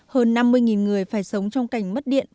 hơn năm mươi người phải sống trong cảnh mất điện